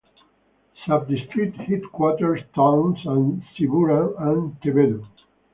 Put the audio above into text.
Sub-district headquarters towns are Siburan and Tebedu.